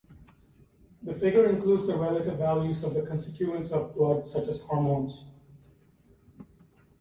The figure includes the relative values of other constituents of blood such as hormones.